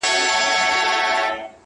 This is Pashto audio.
یو ږغ دی چي په خوب که مي په ویښه اورېدلی!